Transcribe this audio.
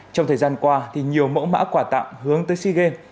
trong thời gian qua nhiều mẫu mã quả tặng hướng tới sea games